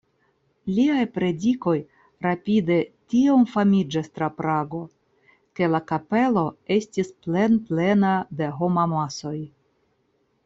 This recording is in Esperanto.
Liaj predikoj rapide tiom famiĝis tra Prago, ke la kapelo estis plenplena de homamasoj.